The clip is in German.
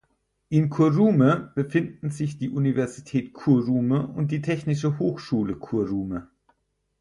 In Kurume befinden sich die Universität Kurume und die Technische Hochschule Kurume.